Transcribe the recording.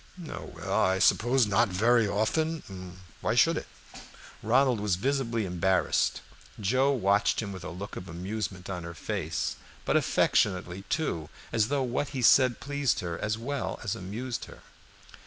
"Oh, well, I suppose not very often. Why should it?" Ronald was visibly embarrassed. Joe watched him with a look of amusement on her face; but affectionately, too, as though what he said pleased her as well as amused her.